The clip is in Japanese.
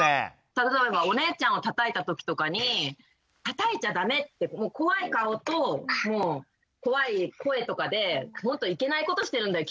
例えばお姉ちゃんをたたいたときとかに「たたいちゃだめ！」って怖い顔と怖い声とかでもっといけないことしてるんだよ